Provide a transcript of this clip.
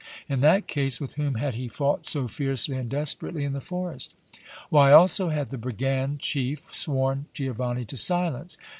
In that case, with whom had he fought so fiercely and desperately in the forest? Why also had the brigand chief sworn Giovanni to silence?